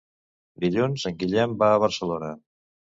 Dilluns en Guillem va a Barcelona.